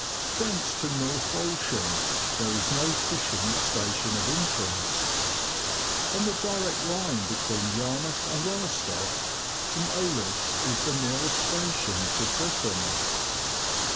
Thence to North Walsham there is no fishing station of interest. On the direct line between Yarmouth and Lowestoft, ST. OLAVE'S is the nearest station to Fritton.